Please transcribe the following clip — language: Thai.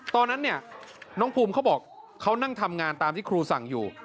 ตอนนั้นเนี่ยน้องภูมิเขาบอกเขานั่งทำงานตามที่ครูสั่งอยู่